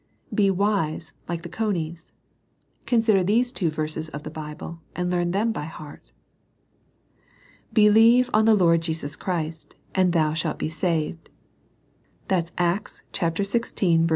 Be wise, like the conies. Consider these two verses of the Bible, and learn them by heart. "Believe on the Lord Jesus Christ, and thou shalt be saved." (Acts xvi.